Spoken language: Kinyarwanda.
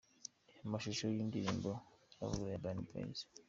Reba amashusho y’indirimbo “Barahurura” ya Urban Boyz :.